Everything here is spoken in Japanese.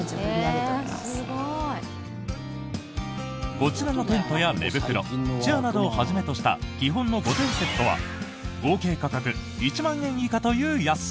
こちらのテントや寝袋チェアなどをはじめとした基本の５点セットは合計価格１万円以下という安さ。